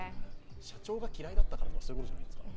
社長が嫌いだったからとかそういうことではないんですか？